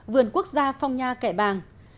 vườn quốc gia phong nha kẻ bàng